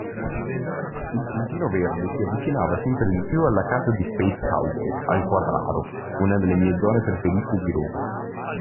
Il puntino verde si avvicinava sempre di più alla casa di Space Cowboy, al Quadraro (una delle mie zone preferite di Roma).